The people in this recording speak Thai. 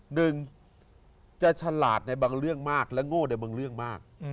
หนึ่งจะฉลาดในบางเรื่องมากและโง่ในบางเรื่องมาก